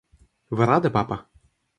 Вы рады, папа?